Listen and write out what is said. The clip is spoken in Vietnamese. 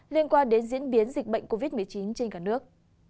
liên quan đến diễn biến dịch bệnh covid một mươi chín trên cả nước